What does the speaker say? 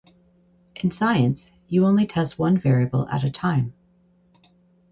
In science, you only test one variable at a time.